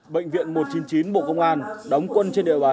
bệnh viện một trăm chín mươi chín bộ công an đóng quân trên địa bàn thái lan